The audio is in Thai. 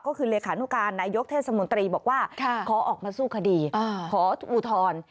ก็คืออนเทศมนตรีบอกว่าขอออกมาสู้คดีขออุทร